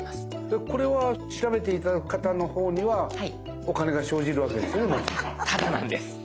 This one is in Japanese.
でこれは調べて頂く方のほうにはお金が生じるわけですね？